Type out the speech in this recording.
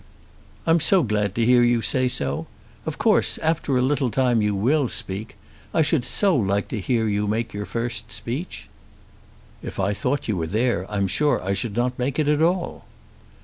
"I'm so glad to hear you say so! Of course after a little time you will speak. I should so like to hear you make your first speech." "If I thought you were there, I'm sure I should not make it at all."